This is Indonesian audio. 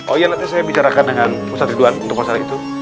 oh iya nanti saya bicarakan dengan pusat ridwan untuk masalah itu